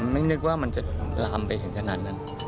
ไม่นึกว่ามันจะลามไปถึงขนาดนั้น